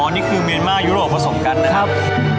นี่คือเมียนมาร์ยุโรปผสมกันนะครับ